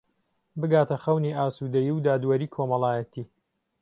بگاتە خەونی ئاسوودەیی و دادوەریی کۆمەڵایەتی